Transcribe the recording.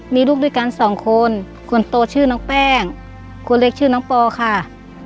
มีลูกด้วยกันสองคนคนโตชื่อน้องแป้งคนเล็กชื่อน้องปอค่ะ